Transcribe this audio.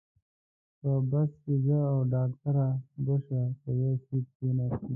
په بس کې زه او ډاکټره بشرا یو سیټ کې کېناستو.